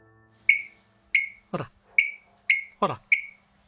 ほらほら！